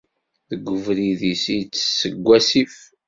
Deg ubrid-is, ittess seg wasif.